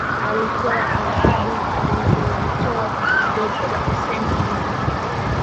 Alitoa ahadi alizozitoa Dokta Hussein Mwinyi